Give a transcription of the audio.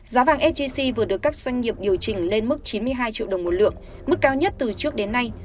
giá vàng sgc vừa được các doanh nghiệp điều chỉnh lên mức chín mươi hai triệu đồng một lượng mức cao nhất từ trước đến nay